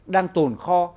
đang tồn kho